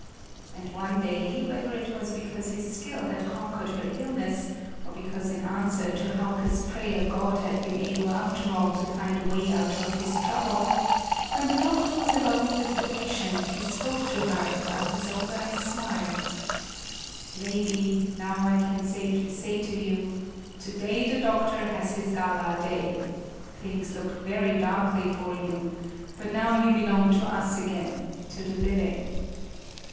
And one day whether it was because his skill had conquered her illness or because in answer to Hauke's prayer God had been able after all to find a way out of his trouble when the doctor was alone with the patient, he spoke to her, while his old eyes smiled: "Lady, now I can safely say to you: to day the doctor has his gala day; things looked very darkly for you, but now you belong to us again, to the living!"